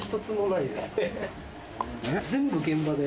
全部現場で。